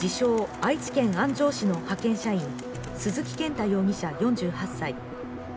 ・愛知県安城市の派遣社員、鈴木健太容疑者４８歳。